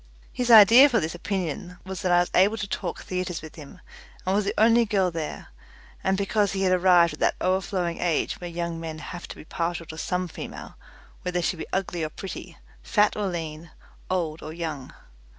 His idea for this opinion was that I was able to talk theatres with him, and was the only girl there, and because he had arrived at that overflowing age when young men have to be partial to some female whether she be ugly or pretty, fat or lean, old or young.